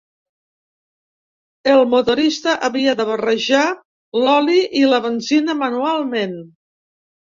El motorista havia de barrejar l'oli i la benzina manualment.